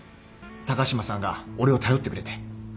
高島さんが俺を頼ってくれて。